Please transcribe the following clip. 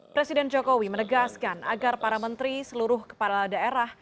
presiden jokowi menegaskan agar para menteri seluruh kepala daerah